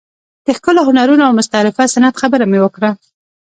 د ښکلو هنرونو او مستطرفه صنعت خبره مې وکړه.